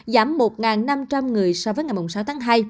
giảm một năm trăm linh người so với ngày sáu tháng hai